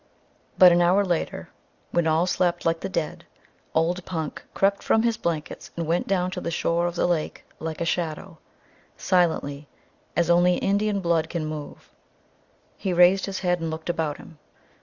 But an hour later, when all slept like the dead, old Punk crept from his blankets and went down to the shore of the lake like a shadow silently, as only Indian blood can move. He raised his head and looked about him.